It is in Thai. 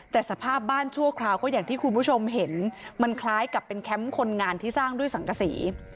แต่สภาพบ้านชั่วคราวก็อย่างที่คุณผู้ชมเห็นมันคล้ายกับเป็นแคมป์คนงานที่สร้างด้วยสังกษี